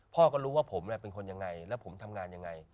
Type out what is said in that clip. พ่อก็รู้ว่าผมเป็นคนยังไงแล้วผมทำงานยังไง